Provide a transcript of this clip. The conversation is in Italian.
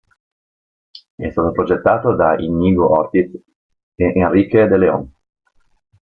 È stato progettato da Iñigo Ortiz e Enrique de León.